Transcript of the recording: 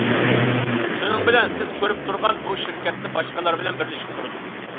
شۇنىڭ بىلەن سىز كۆرۈپ تۇرغان بۇ شىركەتنى باشقىلار بىلەن بىرلىشىپ قۇردۇم.